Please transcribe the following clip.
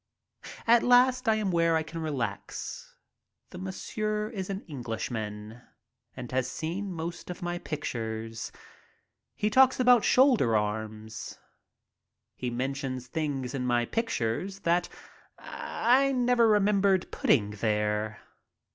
At last I am where I can relax. The masseur is an Eng lishman and has seen most of my pictures. He talks about "Shoulder Arms." He mentions things in my pictures that I never remembered putting there.